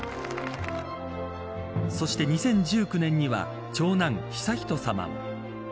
そして２０１９年には長男悠仁さまも。